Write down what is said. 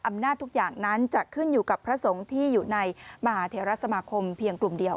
อำนาจทุกอย่างนั้นจะขึ้นอยู่กับพระสงค์ที่อยู่ในวัฒนธรรมคมแค่กลุ่มเดียว